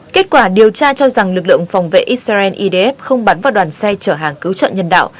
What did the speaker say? kết quả điều tra cho rằng lực lượng phòng vệ israel idf không bắn vào đoàn xe chở hàng cứu trợ nhân đạo